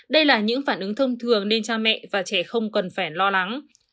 đây là những phản ứng thông thường nên cha mẹ và trẻ không cần phải lo lắng